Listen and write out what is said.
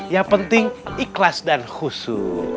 yang penting ikhlas dan khusyu